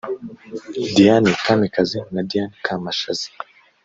Diane Kamikazi na Diane Kamashazi